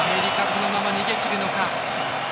このまま逃げきるのか。